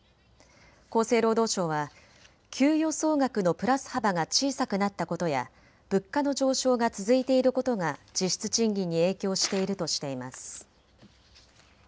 厚生労働省は給与総額のプラス幅が小さくなったことや物価の上昇が続いていることが実質賃金に影響しているとしています。